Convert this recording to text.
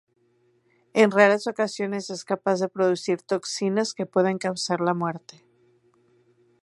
En raras ocasiones es capaz de producir toxinas que pueden causar la muerte.